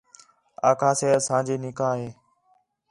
آکھا سے اسانجی نکاح ہِے